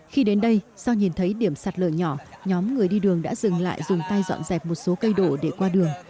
khi đến đây do nhìn thấy điểm sạt lở nhỏ nhóm người đi đường đã dừng lại dùng tay dọn dẹp một số cây đổ để qua đường